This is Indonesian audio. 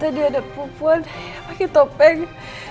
tadi ada perempuan yang pakai topeng